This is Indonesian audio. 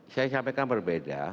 saya sampaikan berbeza